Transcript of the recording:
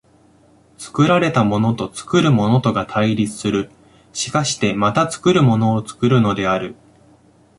作られたものと作るものとが対立する、しかしてまた作るものを作るのである。